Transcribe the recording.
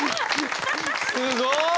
すごい！